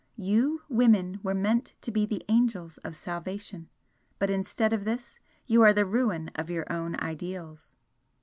You women were meant to be the angels of salvation, but instead of this you are the ruin of your own 'ideals.'"